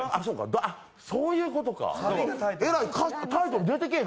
あ、そういうことか！